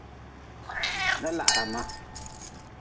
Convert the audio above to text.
Dalahra ma.